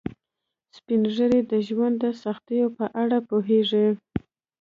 سپین ږیری د ژوند د سختیو په اړه پوهیږي